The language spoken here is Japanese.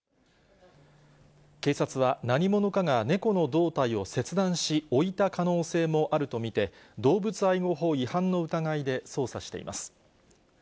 警察は、何者かが猫の胴体を切断し、置いた可能性もあると見て、動物愛護法違反の疑いで捜査しています。